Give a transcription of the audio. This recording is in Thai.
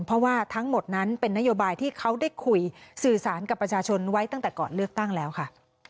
เพราะว่าทั้งหมดนั้นเป็นนโยบายที่เขาได้คุยสื่อสารกับประชาชนไว้ตั้งแต่ก่อนเลือกตั้งแล้วค่ะ